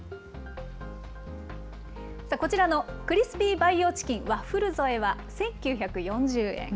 こちらのクリスピー培養チキンワッフル添えは１９４０円。